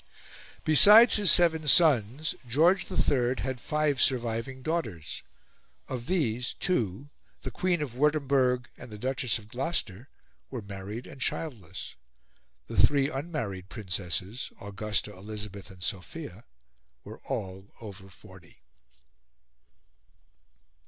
Besides his seven sons, George III had five surviving daughters. Of these, two the Queen of Wurtemberg and the Duchess of Gloucester were married and childless. The three unmarried princesses Augusta, Elizabeth, and Sophia were all over forty.